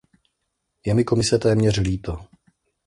Je mi Komise téměř líto.